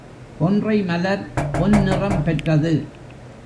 கொன்றை மலர் பொன்னிறம் பெற்றது.